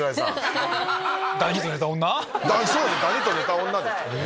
ダニと寝た女です。